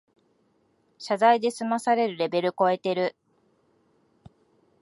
謝罪で済まされるレベルこえてる